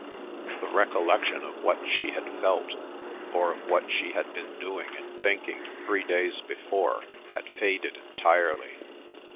The recollection of what she had felt, or of what she had been doing and thinking three days before, had faded entirely.